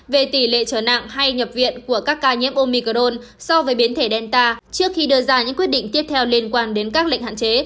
về tỷ lệ trở nặng hay nhập viện của các ca nhiễm omicol so với biến thể delta trước khi đưa ra những quyết định tiếp theo liên quan đến các lệnh hạn chế